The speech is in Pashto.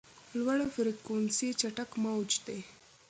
لوړ فریکونسي چټک موج دی.